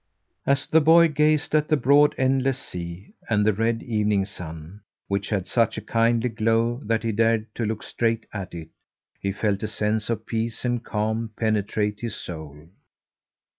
As the boy gazed at the broad, endless sea and the red evening sun, which had such a kindly glow that he dared to look straight at it, he felt a sense of peace and calm penetrate his soul.